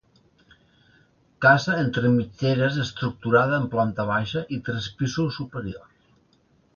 Casa entre mitgeres estructurada en planta baixa i tres pisos superiors.